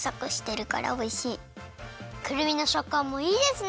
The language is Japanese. くるみのしょっかんもいいですね！